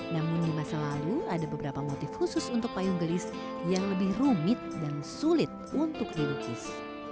namun di masa lalu ada beberapa motif khusus untuk payung gelis yang lebih rumit dan sulit untuk dilukis